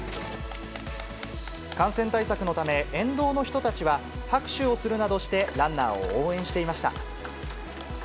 感染対策のため、沿道の人たちは拍手をするなどして、ランナーを応援していました。